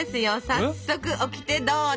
早速オキテどうぞ！